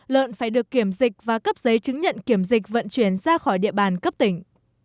lợn phải được kiểm dịch và cấp giấy chứng nhận kiểm dịch vận chuyển ra khỏi địa bàn cấp tỉnh